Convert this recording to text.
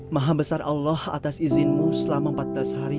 maha besar allah atas izinmu selama empat belas hari